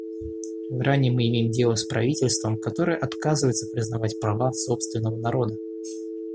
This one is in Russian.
В Иране мы имеем дело с правительством, которое отказывается признавать права собственного народа.